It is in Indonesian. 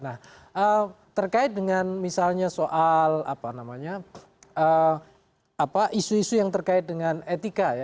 nah terkait dengan misalnya soal apa namanya isu isu yang terkait dengan etika ya